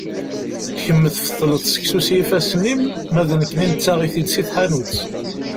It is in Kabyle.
Kemm tfetleḍ seksu s yiffasen-im, ma d nekni nettaɣ-it-id si tḥanut.